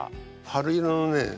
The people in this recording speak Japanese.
春色のね